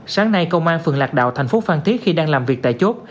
sáng nay công an phường lạc đạo thành phố phan thiết khi đang làm việc tại chốt